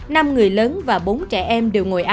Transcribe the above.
năm người lớn và bốn trẻ em